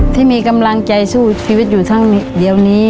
ที่มีกำลังใจสู้ชีวิตอยู่ทั้งเดียวนี้